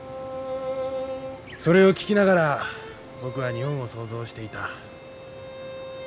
それを聞きながら僕は日本を想像していた。